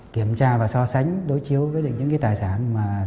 kiểm tra và so sánh đối chiếu với những cái tài sản mà